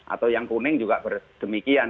atau yang kuning juga berdemikian